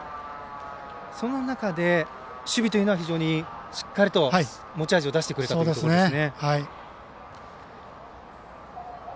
その中で守備というのはしっかりと持ち味を出してくれたというところですね。